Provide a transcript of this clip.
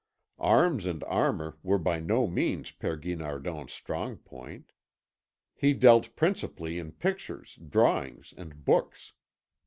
Arms and armour were by no means Père Guinardon's strong point. He dealt principally in pictures, drawings, and books.